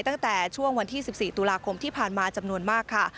ตั้งแต่ช่วงวันที่๑๔ตุลาคมที่ผ่านมาจำนวนมากค่ะ